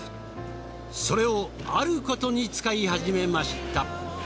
それをあることに使い始めました。